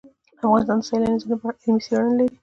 افغانستان د سیلاني ځایونو په اړه علمي څېړنې لري.